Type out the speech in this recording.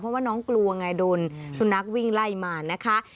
เพราะว่าน้องกลัวไงโดนสุนัขวิ่งไล่มานะคะ